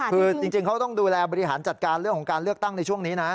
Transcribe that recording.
คือจริงเขาต้องดูแลบริหารจัดการเรื่องของการเลือกตั้งในช่วงนี้นะ